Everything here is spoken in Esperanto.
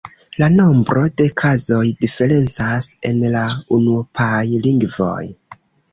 La nombro de kazoj diferencas en la unuopaj lingvoj.